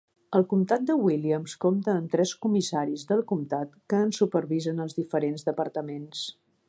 El comtat de Williams compta amb tres comissaris del comtat que en supervisen els diferents departaments.